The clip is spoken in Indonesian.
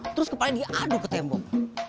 terus kepalanya diaduk ke tembok